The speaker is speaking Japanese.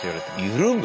緩む？